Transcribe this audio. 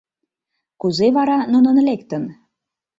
— Кузе вара нунын лектын?